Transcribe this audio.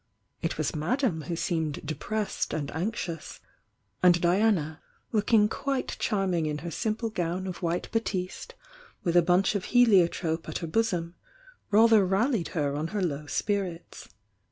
It was Madame who seemed depressed and anxious, and Diana, looking quite charming in he" siii^ple gown of white batiste with a bunch of heliotrope at her bosom, rather rallied her on her low spirits.